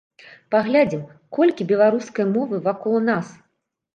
Паглядзім, колькі беларускай мовы вакол нас!